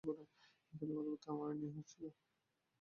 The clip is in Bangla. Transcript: কিন্তু কথাবার্তা আমায় নিয়ে হচ্ছিলো।